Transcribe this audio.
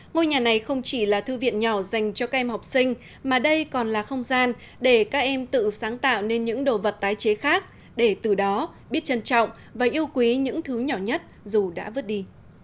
ngôi nhà này không chỉ là thư viện nhỏ dành cho các em học sinh mà đây còn là không gian để các em tự sáng tạo nên những đồ vật tái chế khác để từ đó biết trân trọng và yêu quý những thứ nhỏ nhất dù đã vứt đi